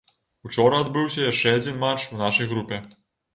Учора адбыўся яшчэ адзін матч у нашай групе.